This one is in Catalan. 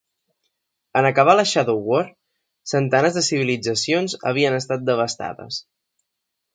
En acabar la Shadow War, centenars de civilitzacions havien estat devastades.